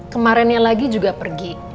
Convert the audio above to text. kemarin yang lagi juga pergi